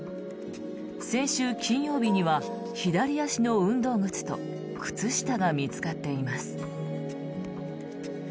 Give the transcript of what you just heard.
先週金曜日には左足の運動靴と靴下が見つかっています。